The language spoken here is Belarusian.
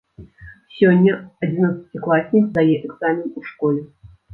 Сёння адзінаццацікласнік здае экзамен у школе.